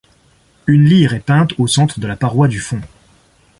Une lyre est peinte au centre de la paroi du fond.